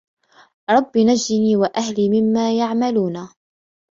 رَبِّ نَجِّنِي وَأَهْلِي مِمَّا يَعْمَلُونَ